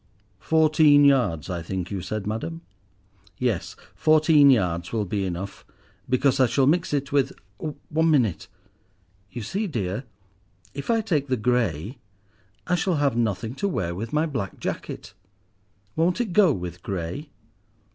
"Fourteen yards I think you said, madam?" "Yes, fourteen yards will be enough; because I shall mix it with—One minute. You see, dear, if I take the grey I shall have nothing to wear with my black jacket." "Won't it go with grey?"